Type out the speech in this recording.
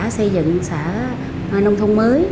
xây dựng xã nông thôn mới